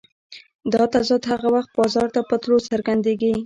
دا تضاد هغه وخت بازار ته په تلو څرګندېږي